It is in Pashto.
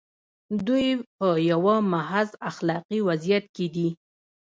دوی په یوه محض اخلاقي وضعیت کې دي.